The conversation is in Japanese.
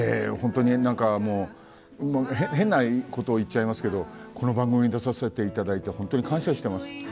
本当に変なことを言っちゃいますけどこの番組に出させていただいて感謝しています。